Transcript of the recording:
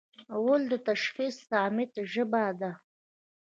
غول د تشخیص صامت ژبه ده.